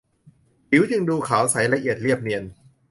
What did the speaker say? ผิวจึงดูขาวใสละเอียด เรียบเนียน